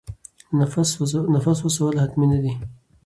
نفس وسوځول حتمي نه دي.